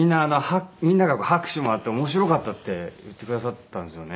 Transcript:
みんなが拍手もらって面白かったって言ってくださったんですよね